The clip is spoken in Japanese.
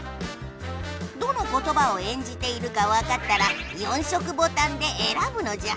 どのことばを演じているかわかったら４色ボタンでえらぶのじゃ。